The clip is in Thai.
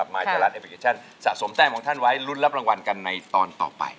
มาจากรัฐแอปพลิเคชันสะสมแต้มของท่านไว้ลุ้นรับรางวัลกันในตอนต่อไป